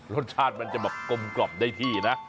รสชาติมันจะแบบกลมกล่อมได้ที่นะ